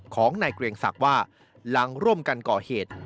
ของนายเกรียงศักดิ์ว่าหลังร่วมกันก่อเหตุ